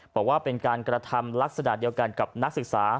บอกว่าเป็นการกระทำลักษณะเดียวกันกับนักศึกษา